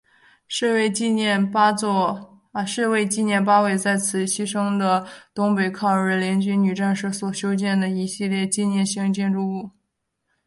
是为纪念八位在此牺牲的东北抗日联军女战士所修建的一系列纪念性建筑物。